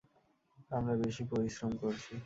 আমরা বেশি পরিশ্রম করছি।